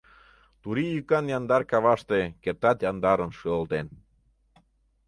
Турий йӱкан яндар каваште Кертат яндарын шӱлалтен.